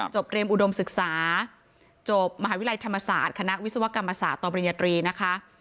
จบเรียมอุดมศึกษาจบมหาวิทยาลัยธรรมศาสตร์คณะวิศวกรรมศาสตร์ต่อปริญญาตรีนะคะ